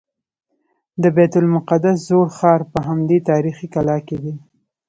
د بیت المقدس زوړ ښار په همدې تاریخي کلا کې دی.